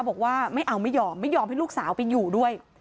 บอกว่าไม่เอาไม่ยอมไม่ยอมให้ลูกสาวไปอยู่ด้วย